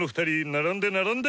並んで並んで！